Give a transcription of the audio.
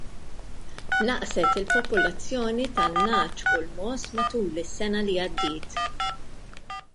Naqset il-popolazzjoni tan-nagħaġ u l-mogħoż matul is-sena li għaddiet.